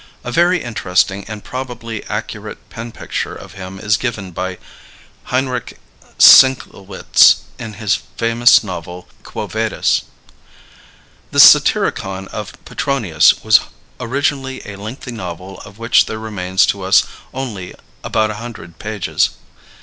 A very interesting and probably accurate pen picture of him is given by Henryk Sienkiewicz in his famous novel "Quo Vadis." The "Satyricon" of Petronius was originally a lengthy novel of which there remains to us only about a hundred pages.